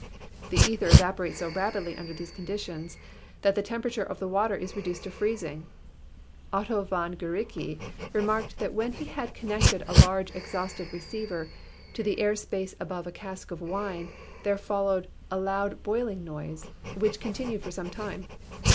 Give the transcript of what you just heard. The ether evapo rates so rapidly under these conditions that the tempera ture of the water is reduced to freezing. Otto von Guericke remarked that when he had connected a large exhausted receiver to the air space above a cask of wine there fol lowed "a loud boiling noise," which continued for some THE PROPERTIES OF MATTER 43 time.